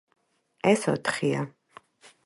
ეს ოთხია.